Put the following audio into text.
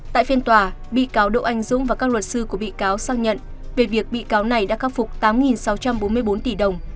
tại phiên tòa bị cáo đỗ anh dũng và các luật sư của bị cáo sang nhận về việc bị cáo này đã khắc phục tám sáu trăm bốn mươi bốn tỷ đồng